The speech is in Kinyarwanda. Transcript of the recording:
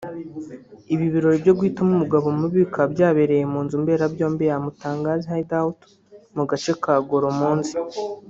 Ibi birori byo guhitamo umugabo mubi bikaba byabereye mu nzu mberabyombi ya Mutangaz Hideout mu gace ka Goromonzi